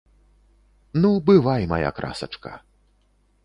Ну, бывай, мая красачка!